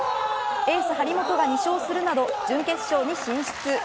エース張本が２勝するなど準決勝に進出。